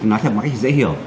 nói thật một cách dễ hiểu